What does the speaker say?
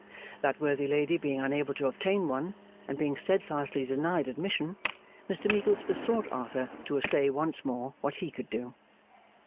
That worthy lady being unable to obtain one, and being steadfastly denied admission, Mr Meagles besought Arthur to essay once more what he could do.